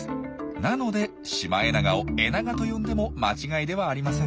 なのでシマエナガをエナガと呼んでも間違いではありません。